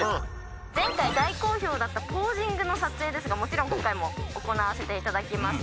前回大好評だったポージングの撮影ですがもちろん今回も行わせていただきます。